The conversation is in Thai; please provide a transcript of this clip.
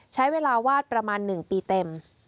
ใช้เวลาวาดประมาณ๑ปีเต็ม